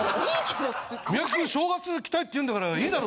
三宅君正月来たいって言うんだからいいだろ。